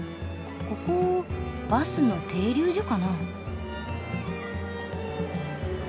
ここバスの停留所かな？